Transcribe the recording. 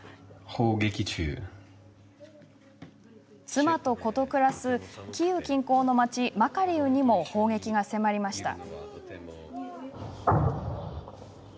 妻と子と暮らす、キーウ近郊の町マカリウにも砲撃が迫りました。